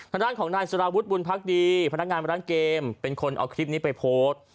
ทางด้านของนายสารวุฒิบุญพักดีพนักงานร้านเกมเป็นคนเอาคลิปนี้ไปโพสต์